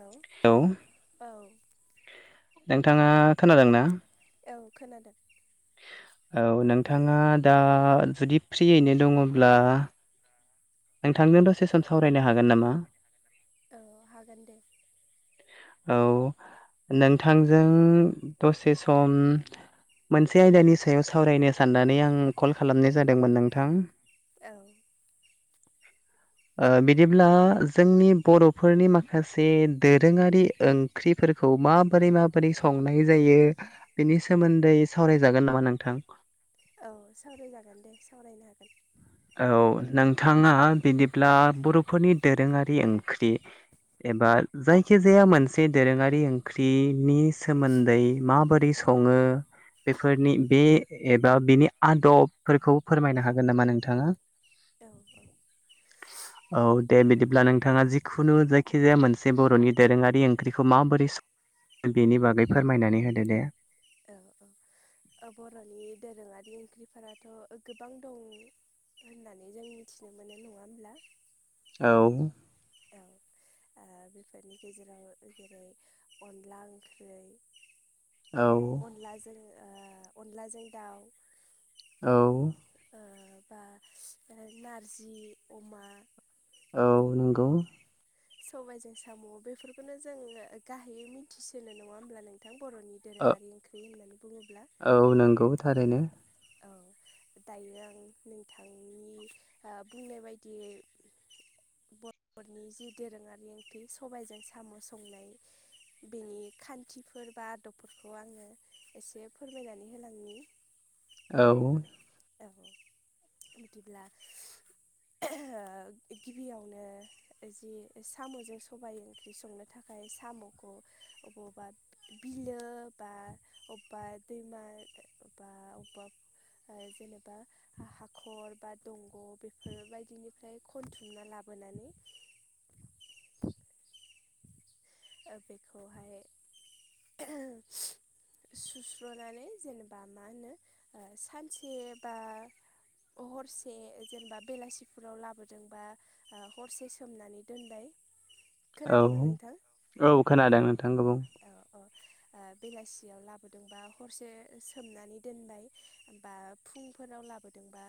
औ हेलौ औ नोंथाङा खोनादों ना औ खोनादों औ नोंथाङा दा जुदि फ्रियैनो दङब्ला नों थांजों दसे सम सावरायनो हागोन नामा औ हागोन दे औ नोंथांजों दसे सम मोनसे आयदानि सायाव सावरायनो साननानै आं कल खालामनाय जादोंमोन नोंथां औ [inaudible] बिदिब्ला जोंनि बर'फोरनि माखासे दोरोङारि ओंख्रिफोरखौ माबोरै माबोरै संनाय जायो बेनि सोमोन्दै सावरायजागोन नामा नोंथां औ सावरायजागोन दे सावरायनो हागोन औ नोंथाङा बिदिब्ला बर'फोरनि दोरोङारि ओंख्रि एबा जायखिजाया मोनसे दोरोङारि ओंख्रिनि सोमोन्दै माबोरै स सङो बेफोरनि बे एबा बिनि आदबफोरखौ फोरमायनो हागोन नामा नों थाङा औ औ [inaudible] औ दे बिदिब्ला नोंथाङा जिखुनु जायखिजाया मोनसे बर'नि दोरोङारि ओंख्रिखौ माबोरै स बेनि बागै फोरमायनानै होदो दे औ औ बर'नि दोरोङारि ओंख्रिफोराथ गोबां दं होननानै जों मिथिनो मोनो नङा होमब्ला औ ओं बेफोरनि गेजेराव जेरै अनला ओंख्रि औ अनलाजों अनलाजों दाउ औ ओ बा नारजि अमा औ नंगौ सबायजों साम बेफोरखौनो जोङो गाहायै मिथिसिनो नङा होमब्ला नों थां बर'नि ओ दोरोङारि ओंख्रि होननानै बुङोब्ला औ नंगौ थारैनो औ दायो आं नोंथांनि बुंनाय बायदियै बर'नि जि दोरोङारि ओंख्रि सबायाइजों साम संनाय बेनि खान्थिफोर बा आदबफोरखौ आङो एसे फोरमायनानै होलांनि औ औ बिदिब्ला गिबियावनो जि सामजों सबाय ओंख्रि संनो थाखाय सामखौ अबावबा बिलो बा अबेबा दैमा बा अबेबा आ जेनेबा हाखर बा दंग बेफोरबायदिनिफ्राय खनथुमना लाबोनानै बेखौहाय सुस्रनानै जेनेबा मा होनो सानसे बा हरसे जेनेबा बेलासिफोराव लाबोदोंबा ओ हरसे सोमनानै दोनबाय औ खोनादोंना नोंथां औ खोनादों नोंथां बुं औ औ ओ बेलासियाव लाबोदोंबा हरसे सोमनानै दोनबाय बा फुंफोराव लाबोदोंबा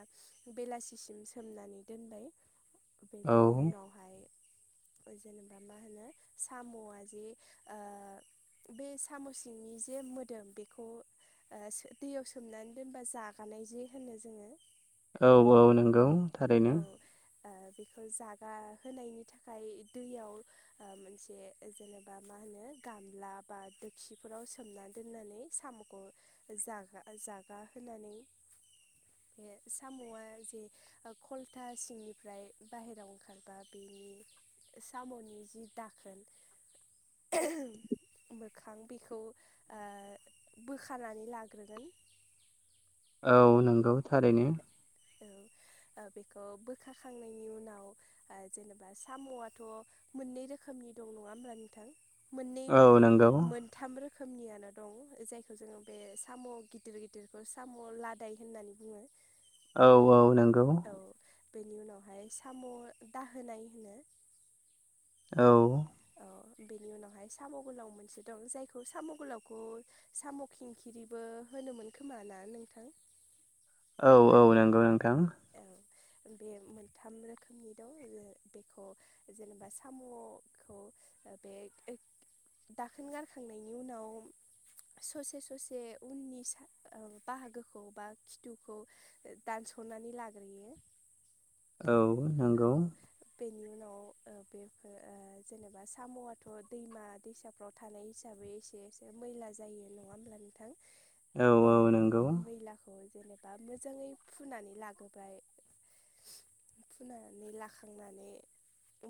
बेलासेसिम सोमनानै दोनबाय [inaudible] बेनि उनाव हाय जेनेबा मा होनो सामआजे ओ बे साम सिंनि जे मोदोम बेखौ ओ दैयाव सोमनानै दोनबा जागानाय जे होनो जोङो औ औ नंगौ थारैनो औ ओ बेखौ जागा होनायनि थाखाय दैयाव मोनसे जेनेबा मा होनो गामला बा दोखिफोराव सोमना दोननानै सामखौ जागा जागा होनानै बे सामआ जे खलथा सिंनिफ्राय बाहेरायाव ओंखारबा बेनि सामनि जि दाखोन मोखां बेखौ ओ बोखानानै लाग्रोगोन औ नंगौ थारैनो औ ओ बेखौ बोखाखांनायनि उनाव ओ जेनेबा सामआथ मोननै रोखोमनि दं नङा होमब्ला नोंथां मोननै औ माने नंगौ मोन थाम रोखोमनियानो दं जायखौ जोङो बे साम गिदिर गिदिरखौ साम लाद दाय होननानै बुङो औ औ नंगौ औ बेनि उनावहाय साम' दाहोनाय होनो औ औ बेनि उनावहाय साम' गोलाव मोनसे दं जायखौ साम' गोलावखौ साम' खिंखिरिबो होनोमोन खोमा ना नोंथां औ औ नंगौ नोंथां औ बे मोनथाम रोखोमनि दं बेखौ जेनेबा साम'खौ बे [unintelligible] दाखोन गारखांनायनि उनाव ससे ससे उननि स ओ बाहागोखौ बा खिथुखौ दान्स नानै लाग्रोयो औ औ नंगौ बेनि उनाव ओ बेफोर जेनेबा साम'आथ' दैमा दैसाफ्राव थानाय हिसाबै एसे एसे मैला जायो नङा होमब्ला नोंथां औ बे औ नंगौ मैलाखौ जेनेबा मोजाङै फुनानै लाग्रोबाय फुनानै लाखांनानै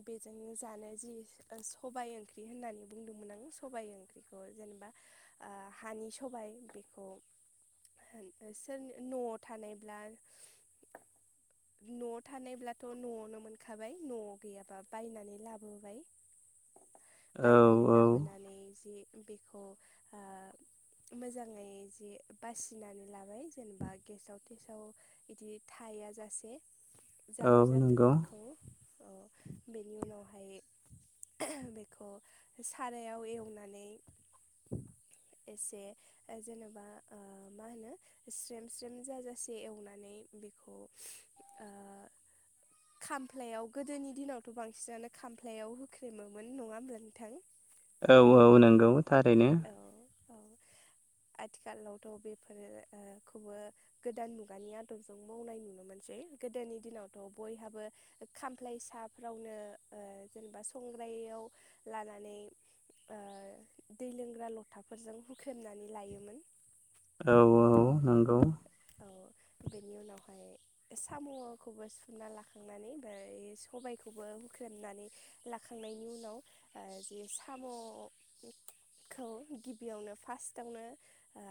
बेजोंनो जानो जिनिस सबाय ओंख्रि होननानै बुंदोंमोन आं सबाइ ओंख्रिखौ जेनेबा ओ हानि सबाय बेखौ सोर न'आव थानायब्ला न'आव थानायब्लाथ' न'आवनो मोनखाबाय न'आव गैयाबा बायनानै लाबोबाय [inaudible] बायनानै औ लाबोनानै जि बेखौ ओ मोजाङै जि बासिनानै लाबाय जेनेबा गेसाव -थेसाव बिदि थाया जासे जाबोर नंगौ जाथोरफोरखौ ओ बेनि उनावहाय बेखौ सारायाव एवनानै एसे जेनेबा मा होनो स्रेम स्रेम जाजासे एवनाय बेखौ ओ खामफ्लायाव गोदोनि दिनावथ' बांसिनानो खामफ्लायाव होख्रेमोमोन नङा होमब्ला नोंथां औ औ नंगौ थारैनो औ औ आथिखालावथ' बेफोरोखौबो गोदान मुगानि आदबजों मावनाय नुनो मोनसै गोदोनि दिनावथ' बयहाबो खामफ्लायसाफ्रावनो जेनेबा संग्रायाव लानानै दै लोंग्रा लथाफोरजों हुख्रेमनानै लायोमोन औ औ नंगौ औ बेनि उनावहाय साम'खौबो हुखुरना लाखांनानै ओमफ्राय सबायखौबो हुख्रेमनानै लाखांनायनि उनाव ओ जि साम' खौ गिबियावनो फार्स्टावनो ओ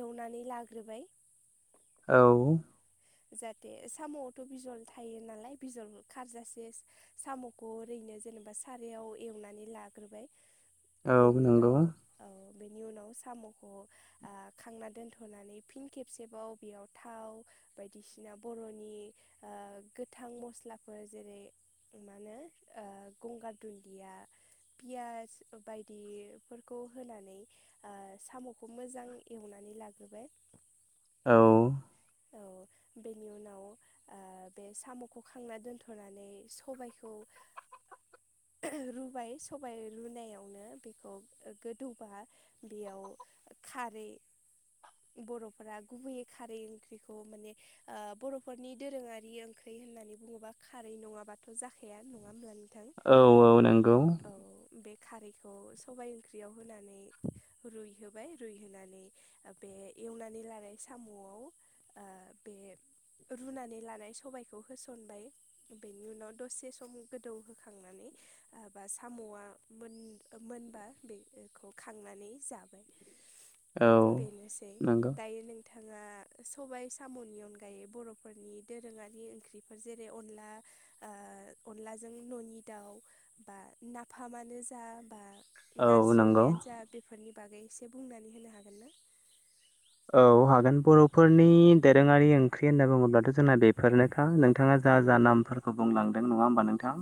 एवनानै लाग्रोबाय औ जाहाथे साम'आवथ' बिजर थायो नालाय बिजर खारजासे साम'खौ ओरैनो जेनेबा सारायाव एवनानै लाग्रोबाय औ बेनि नंगौ उनाव औ बेनि उनाव साम'खौ खांना दोनथ'नानै फिन खेबसेबाव बेयाव थाव बायदिसिना बर'नि गोथां मस्लाफोर जेरै मा होनो गंगार दुन्दिया पियास बायदिफोरखौ होनानै साम'खौ मोजां एवनानै लाग्रोबाय औ औ बेनि उनाव बे साम'खौ खांना दोन्थ'नानै सबायखौ रुबाय सबाय रुनायावनो बेखौ गोदौबा बेयाव खारै बर'फोरा गुबैयै खारै ओंख्रि खौ माने बर'फोरनि दोरोङारि ओंख्रि होननानै बुङोब्ला खारै नङाबाथ' जाखाया नङामोनानो औ औ नंगौ औ बे खारैखौ सबाय ओंख्रियाव होनानै रुइहोबाय रुइहोनानै बे एवनानै लानाय साम'आव बे रुनानै लानाय सबायाइखौ होसनबाय बेनि उनाव दसे सम गोदौहोखांनानै बा साम'आ मोन मोनबा बेखौ खांनानै जाबाय [inaudible] बेनोसै दायो नोंथाङा सबायाइ साम'नि अनगायै बर'फोरनि दोरोङारि ओंख्रिफोर जेरै अनला अनलाजों न'नि दाउ बा नाफामानो जा बा औ नारजि नंगौ अमायानो जा बेफोरनि बागै एसे बुंनानै होनो हागोन ना औ हागोन बर'फोरनि दोरोङारि ओंख्रि होनना बुङोब्लाथ' जोंना बेफोरनोखा नोंथाङा जा जा नामफोरखौ बुंलांदों नङा होमबा नोंथां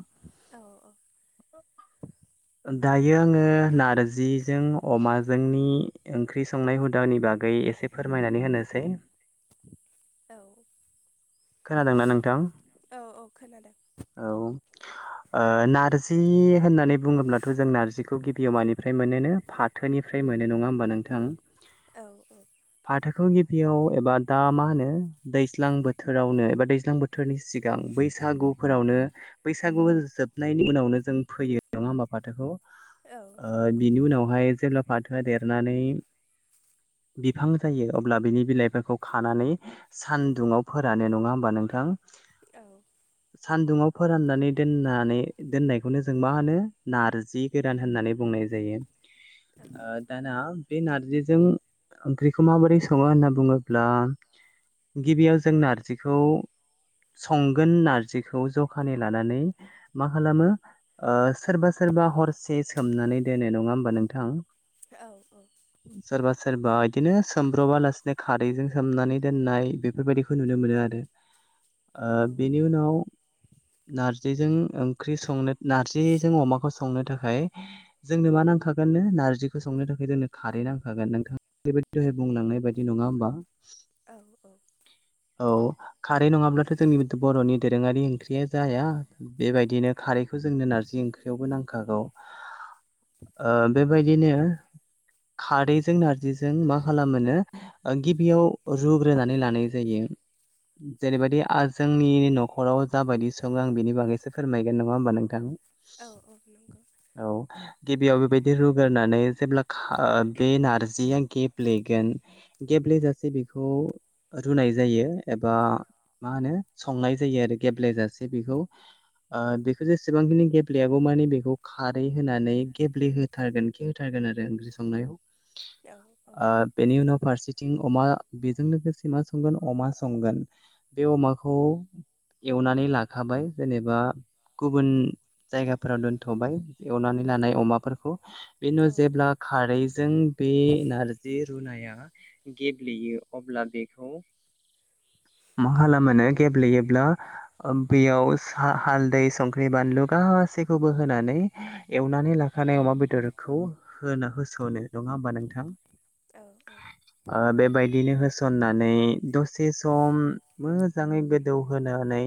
औ औ [inaudible] दायो आङो नारजिजों अमाजोंनि ओंख्रि संनाय हुदानि बागै ए एसे फोरमायनानै होनोसै औ खोनादोंना नोंथां औ औ खोनादों औ नारजि होननानै बुङोब्लाथ' जों नारजिखौ गिबियाव मानिफ्राय मोनोनो फाथ थोनिफ्राय मोनो नङा होमबा नोंथां औ औ फाथोखौ गिबियाव एबा दा मा होनो दैस्लां बोथोर बोथोरावनो एबा दैज्लां बोथोरनि सिगां बैसागुफोरावनो बैसागु जोबनायनि उनावनो जों फैयो नङा होमबा फाथोखौ औ नंगौ बिनि उनावहाय जेब्ला फाथोआ देरनानै बिफां जायो अब्ला बिनि बिलाइफोरखौ खानानै सानदुंङाव फोरानो नङा होमबा नोंथां औ [inaudible] सान्दुंङाव फोराननानै दोननानै दोननायखौनो जों मा होनो नारजि गोरान होननानै बुंनाय औ [unintelligible] दाना बे नारजिजों ओंख्रिखौ माबोरै सङो होनना बुङोब्ला गिबियाव जों नारजिखौ संगोन नारजिखौ जखानि लानानै मा खालामो सोरबा सोरबा हरसे सोमनानै दोनो नङा होमबा नोंथां औ औ सोरबा सोरबा बिदिनो सोमब्र'बा लासिनो खारैजों सोमनानै दोननाय बेफोरबायदिखौ खौ नुनो मोनो आरो बेनि उनाव नार्जिजों ओंख्रि संनो नार्जिजों अमाखौ संनो थाखाय जोंनो मा नांखागोन ननो नारजिखौ संनो थाखाय जोंनो खारै नांखागोन नोंथां बेबायदि दहाय बुंलांनाय बायदि नङा होमबा औ औ। औ खारै नङाब्लाथ' जोंनि बर'नि दोरोङारि ओंख्रिया जाया। बेबायदिनो खारैखौ जोंनो नारजि ओंख्रियावबो नांखागौ। बेबायदिनो खारैजों नारजिजों मा खालामो। गिबियाव रुग्रोनानै लानाय जायो। जेरैबायदि जोंनि न'खराव जाबायदि सङो आं बिनि बागैसो फोरमायगोन नङा होमबा नोंथां। औ औ नंगौ। औ गिबियाव बेबायदि रुग्रोनानै जेब्ला बे नारजियाखि गेब्लेगोन गेब्लेेजासे बेखौ रुनाय जायो। एबा मा होनो। संनाय जायो आरो गेब्लेेजासे बेखौ बेखौ जेसेबांखिनि गेब्लेयाबौ माने बेखौ। खारै होनानै गेब्लेहोथारगोन खि होथारगोन आरो ओंख्रि औ औ संनायाव। बेनि उनाव फारसेथिं अमा बेजों लोगोसे मा संगोन अमा संगोन बे अमाखौ एवनानै लाखाबाय जेनेबा गुबुन जायगाफोराव दोनथ'बाय एवनानै लानाय अमाफोरखौ बे उम औ जेब्ला। खारैजों बे नारजि रुनाया गेब्लेयो अब्ला बेखौ मा लामानो गेब्लेयोब्ला बेयाव हालदै संख्रि बानलु गासै खबोहानै एवनानै लाखानाय अमा बेदरखौ। होना होसावनो नङा होमबा नोंथां। औ औ। बेबायदिनो होसननानै। दसे सम मोजाङै गोदौहोनानै।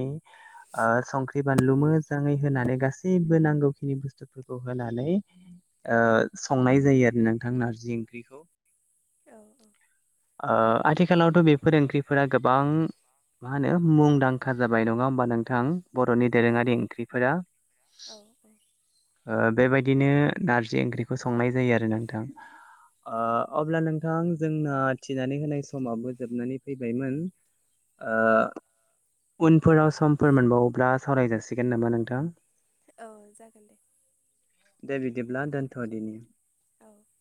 संख्रि बानलु मोजाङै होनानै गासैबो नांगौखिनि बुस्थु। फोरखौ होनानै संनाय जायो आरो नोंथां नारजि ओंख्रिखौ औ औ आथिखालावथ' बे फोरोंगिरिफोरा गोबां मा होनो मुंदांखा जाबाय नङा होमबा नोंथां। बर'नि दोरोङारि ओंख्रिफोरा औ बेबायदिनो नारजि ओंख्रिखौ संनाय जायो आरो नोंथां। अब्ला नोंथां जोंना थिनानै होनाय समाबो जोबनानै। फैबायमोन उनफोराव समफोर मोनबावोब्ला सावरायजासिगोन नामा नोंथां। औ जागोन दे दे बिदिब्ला दोन्थ' दिनि औ